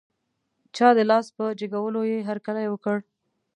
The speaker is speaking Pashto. چا د لاس په جګولو یې هر کلی وکړ.